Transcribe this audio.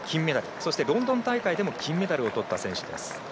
そしてロンドン大会でも金メダルを取った選手です。